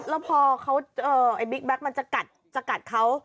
แล้วพอไอ้บิ๊กแบล็คมันจะกัดเขา